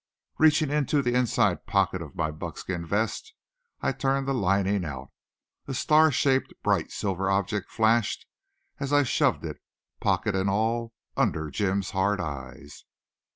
Reaching into the inside pocket of my buckskin vest, I turned the lining out. A star shaped, bright, silver object flashed as I shoved it, pocket and all, under Jim's hard eyes.